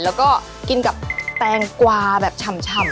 แล้วก็กินกับแปงกวาแบบชำอ่ะ